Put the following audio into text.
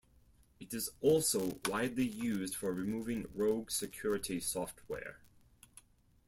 It is also widely used for removing rogue security software.